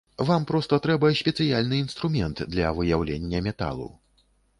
Вам проста трэба спецыяльны інструмент для выяўлення металу.